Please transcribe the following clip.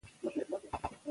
زنګ ته مې يې ځواب ور کړ.